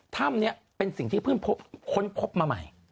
ถ้ำเนี่ยเป็นสิ่งที่เพื่อนพบค้นพบมาใหม่